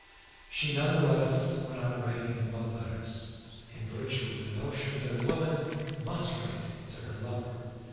She none the less went on writing him love letters, in virtue of the notion that a woman must write to her lover.